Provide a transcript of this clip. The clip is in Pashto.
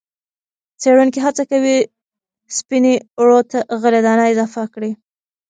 څېړونکي هڅه کوي سپینې اوړو ته غلې- دانه اضافه کړي.